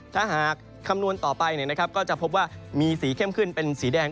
ถ้าหากคำนวณต่อไปก็จะพบว่ามีสีเข้มขึ้นเป็นสีแดง